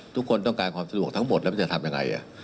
ทุกคนต้องการความสะดวกทั้งหมดแล้วมันจะทำยังไง